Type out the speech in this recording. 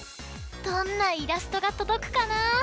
どんなイラストがとどくかな！